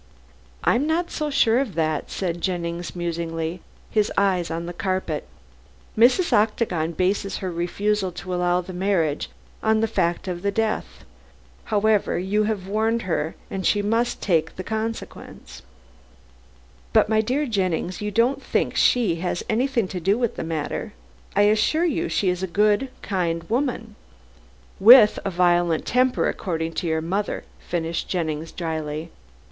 "I'm not so sure of that," said Jennings musingly, his eyes on the carpet. "Mrs. Octagon bases her refusal to allow the marriage on the fact of the death. However, you have warned her, and she must take the consequence." "But, my dear Jennings, you don't think she has anything to do with the matter. I assure you she is a good, kind woman " "With a violent temper, according to your mother," finished Jennings dryly.